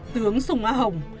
tướng sùng á hồng